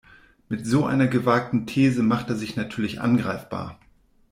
Mit so einer gewagten These macht er sich natürlich angreifbar.